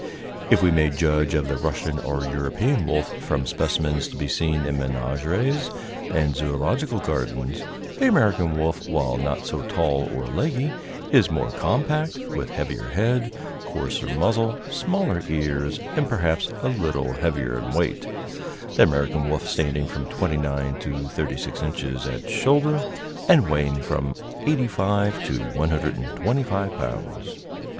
If we may judge of the Russian or European wolf from specimens to be seen in menageries and zoölogical gardens, the American wolf, while not so tall or leggy, is more compact, with heavier head, coarser muzzle, smaller ears, and perhaps a little heavier in weight the American wolf standing from 29 to 36 inches at shoulder, and weighing from 85 to 125 pounds.